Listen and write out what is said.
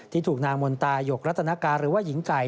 ถูกนางมนตายกรัตนกาหรือว่าหญิงไก่